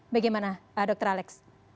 bagaimana dokter alex